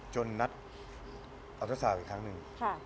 จนนัดอัลทัศน์ศาลอีกครั้งหนึ่ง